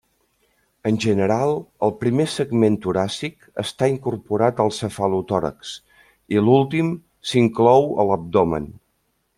En general, el primer segment toràcic està incorporat al cefalotòrax i l'últim s'inclou a l'abdomen.